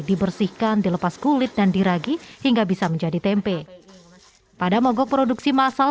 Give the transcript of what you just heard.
dibersihkan dilepas kulit dan diragi hingga bisa menjadi tempe pada mogok produksi masal